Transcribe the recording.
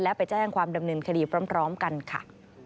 และไปแจ้งความดำเนินคดีพร้อมกันค่ะ